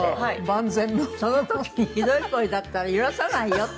その時にひどい声だったら許さないよって。